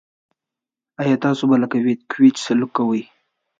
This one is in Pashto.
آیا تاسو به لکه ویتکیویچ سلوک کوئ.